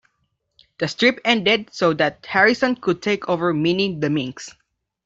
The strip ended so that Harrison could take over Minnie the Minx.